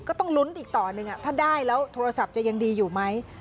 ก็ต้องลุ้นอีกต่อหนึ่งถ้าได้แล้วโทรศัพท์จะยังดีอยู่ไหม